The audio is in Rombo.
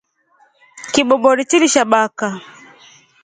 Kibobori chili sha baka.